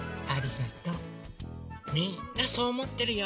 みんなそうおもってるよ。